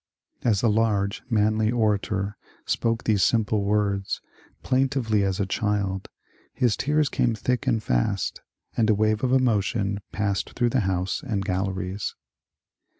As the large, manly orator spoke these simple words, plaintively as a child, his tears came thick and fast, and a wave of emo tion passed through the House and galleries.